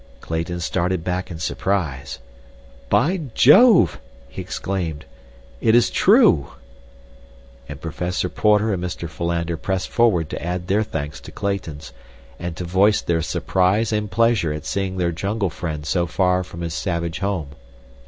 Clayton started back in surprise. "By Jove!" he exclaimed. "It is true." And Professor Porter and Mr. Philander pressed forward to add their thanks to Clayton's, and to voice their surprise and pleasure at seeing their jungle friend so far from his savage home.